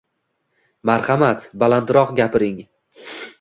Marhamat, balandroq gapiring.